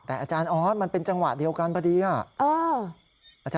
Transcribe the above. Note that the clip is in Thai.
แต่อาจารย์ออสมันเป็นจังหวะเดียวกันพอดี